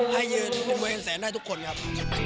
ให้ยืนเป็นบริเวณแสนให้ทุกคนครับ